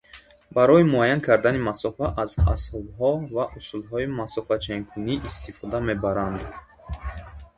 Барои муайян кардани масофа аз асбобҳо ва усулҳои масофаченкунӣ истифода мебаранд.